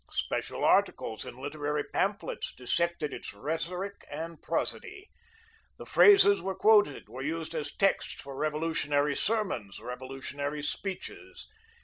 Special articles, in literary pamphlets, dissected its rhetoric and prosody. The phrases were quoted, were used as texts for revolutionary sermons, reactionary speeches.